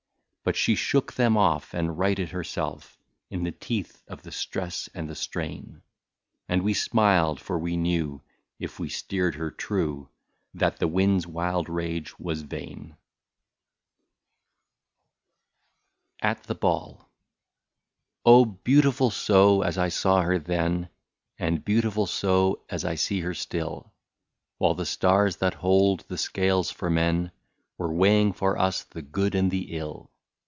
1 68 But she shook them off and righted herself, In the teeth of the stress and the strain ; And we smiled, for we knew, if we steered her true. That the wind's wild rage was vain. 169 AT THE BALL. Oh ! beautiful so — as I saw her then, And beautiful so, as I see her still, While the stars, that hold the scales for men, Were weighing for us the good and the ill.